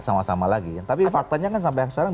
sama sama lagi tapi faktanya kan sampai sekarang